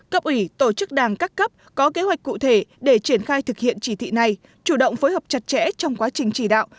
cấp ủy tổ chức đảng các cấp có kế hoạch cụ thể để triển khai thực hiện chỉ thị này chủ động phối hợp chặt chẽ trong quá trình chỉ đạo